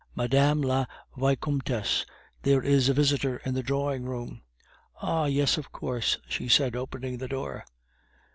"Madame la Vicomtess, there is a visitor in the drawing room." "Ah! yes, of course," she said, opening the door.